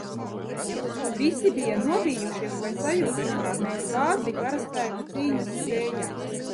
Visi bija nobijušies vai sajūsmināti par vācu karaspēka cīņas spējām.